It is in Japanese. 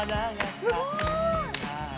すごい！